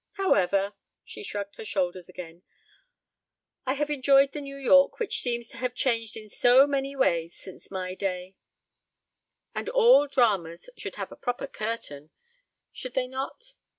However," she shrugged her shoulders again, "I have enjoyed the New York which seems to have changed in so many ways since my day, and all dramas should have a proper 'curtain,' should they not?